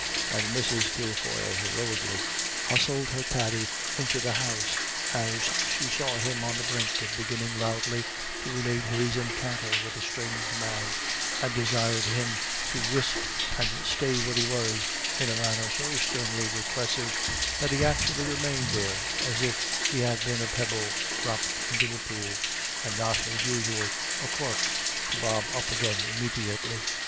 And Mrs. Kilfoyle heroically hustled her Thady into the house, as she saw him on the brink of beginning loudly to relate his encounter with a strange man, and desired him to whisht and stay where he was in a manner so sternly repressive that he actually remained there as if he had been a pebble dropped into a pool, and not, as usual, a cork to bob up again immediately.